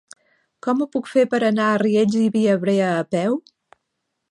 Com ho puc fer per anar a Riells i Viabrea a peu?